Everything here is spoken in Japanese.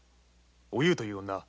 お夕という女